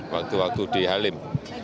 waktu waktu di halim